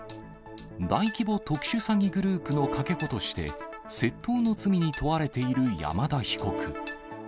大規模特殊詐欺グループのかけ子として、窃盗の罪に問われている山田被告。